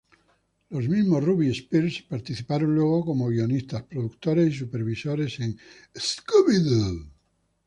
Los mismos Ruby y Spears participaron luego como guionistas, productores y supervisores en "Scooby-Doo!